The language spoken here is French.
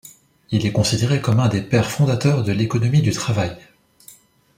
Il est considéré comme un des pères fondateurs de l'économie du travail.